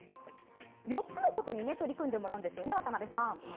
４つのことに取り組んでもらうんですよね渡邊さん。